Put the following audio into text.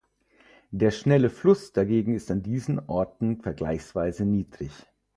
Der schnelle Fluss dagegen ist an diesen Orten vergleichsweise niedrig.